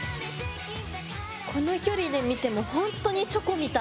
この距離で見てもほんとにチョコみたい。